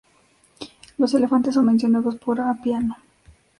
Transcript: Los elefantes son mencionados por Apiano.